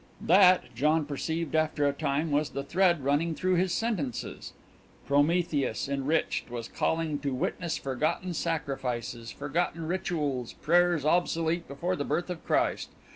That, John perceived after a time, was the thread running through his sentences. Prometheus Enriched was calling to witness forgotten sacrifices, forgotten rituals, prayers obsolete before the birth of Christ.